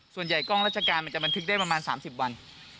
กล้องราชการมันจะบันทึกได้ประมาณ๓๐วัน